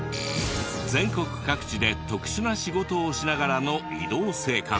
全国各地で特殊な仕事をしながらの移動生活。